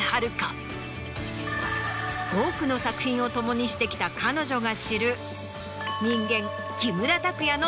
多くの作品を共にしてきた彼女が知る。